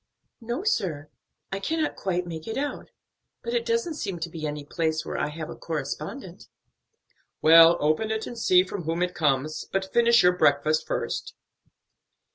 "No, sir; I cannot quite make it out, but it doesn't seem to be any place where I have a correspondent." "Well, open it and see from whom it comes. But finish your breakfast first."